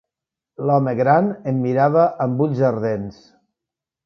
L'home gran em mirava amb ulls ardents.